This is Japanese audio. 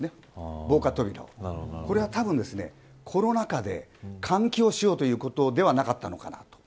防火扉をこれはたぶんコロナ禍で換気をしようということではなかったのかなと。